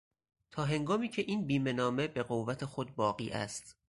تاهنگامی که این بیمهنامه به قوت خود باقی است